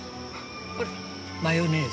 マヨネーズ。